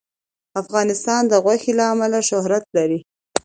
افغانستان د غوښې له امله شهرت لري.